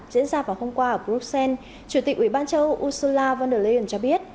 diễn ra vào hôm qua ở bruxelles chủ tịch ủy ban châu âu ursula von der leyen cho biết